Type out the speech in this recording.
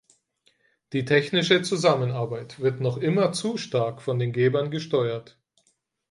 Die technische Zusammenarbeit wird noch immer zu stark von den Gebern gesteuert.